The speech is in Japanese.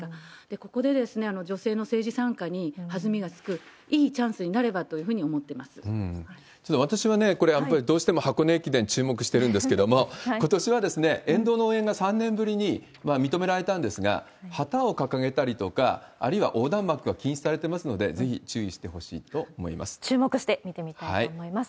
ここで女性の政治参加に弾みがつくいいチャンスになればというふちょっと私はね、これ、やっぱりどうしても箱根駅伝に注目してるんですけれども、ことしは沿道の応援が３年ぶりに認められたんですが、旗を掲げたりとか、あるいは横断幕が禁止されてますので、注目してみてみたいと思います。